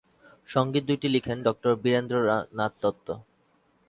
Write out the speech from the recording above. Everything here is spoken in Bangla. সংগীত দুইটি লিখেন ডঃ বীরেন্দ্র নাথ দত্ত।